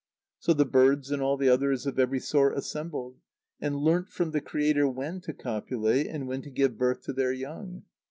So the birds and all the others of every sort assembled, and learnt from the Creator when to copulate, and when to give birth to their young.